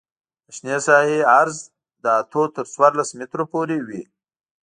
د شنې ساحې عرض له اتو تر څوارلس مترو پورې وي